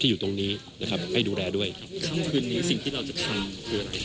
อยู่ตรงนี้นะครับให้ดูแลด้วยครับค่ำคืนนี้สิ่งที่เราจะทำคืออะไร